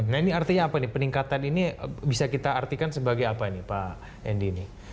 nah ini artinya apa nih peningkatan ini bisa kita artikan sebagai apa ini pak endi ini